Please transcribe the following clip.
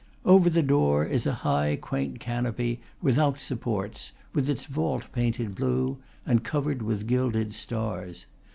Over the door is a high, quaint canopy, without supports, with its vault painted blue and covered with gilded stars.